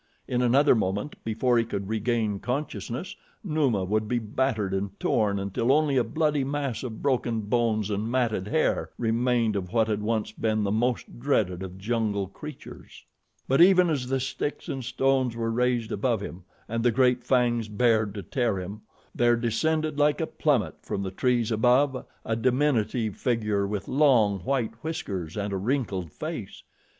In another moment, before he could regain consciousness, Numa would be battered and torn until only a bloody mass of broken bones and matted hair remained of what had once been the most dreaded of jungle creatures. But even as the sticks and stones were raised above him and the great fangs bared to tear him, there descended like a plummet from the trees above a diminutive figure with long, white whiskers and a wrinkled face.